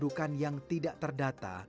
kedudukan yang tidak terdata